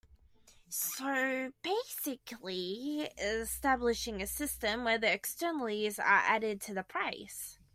So basically establishing a system where the externalities are added to the price.